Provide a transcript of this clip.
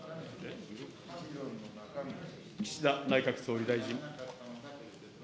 岸田内閣総理大臣。